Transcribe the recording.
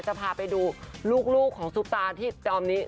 จะพาไปดูลูกของซุปตาที่จอมนี้